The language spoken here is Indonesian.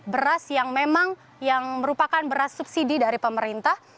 beras yang memang yang merupakan beras subsidi dari pemerintah